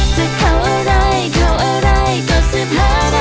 จะใกล้ใจหรือใกล้